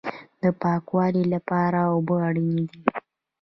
د پاکوالي لپاره اوبه اړین دي